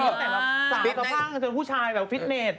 มีตั้งแต่สาวสะพั่งจนผู้ชายแบบฟิตเนต